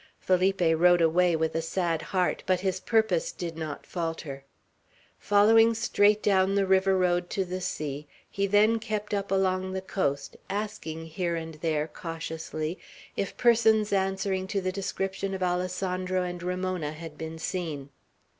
Felipe rode away with a sad heart, but his purpose did not falter. Following straight down the river road to the sea, he then kept up along the coast, asking here and there, cautiously, if persons answering to the description of Alessandro and Ramona had been seen.